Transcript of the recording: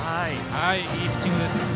いいピッチングです。